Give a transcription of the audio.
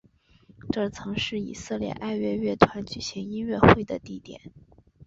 这曾是以色列爱乐乐团举行音乐会的地点。